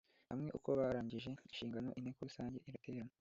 hamwe uko barangije inshingano Inteko Rusange iraterana